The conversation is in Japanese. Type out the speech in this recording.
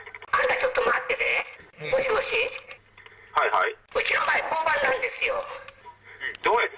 ちょっと待ってて。